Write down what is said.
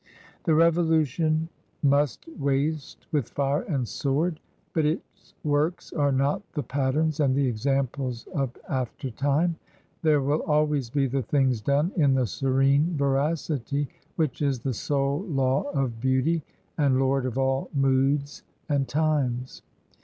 The rev olution must waste with fire and sword, but its works are not the patterns and the examples of after time: these will always be the things done in the serene ve racity which is the sole law of beauty and lord of all moods and times.